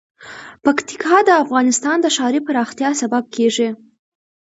پکتیکا د افغانستان د ښاري پراختیا سبب کېږي.